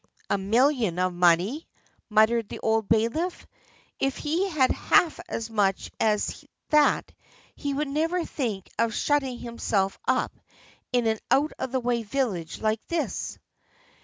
"A million of money!" muttered the old bailiff; "if he had half as much as that he would never think of shutting himself up in an out of the way village like this."